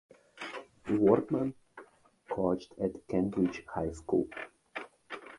Wortman coached at Kentridge High School.